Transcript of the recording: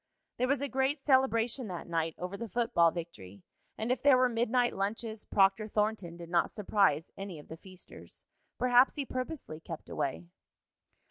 There was a great celebration that night over the football victory, and if there were midnight lunches, Proctor Thornton did not surprise any of the feasters. Perhaps he purposely kept away.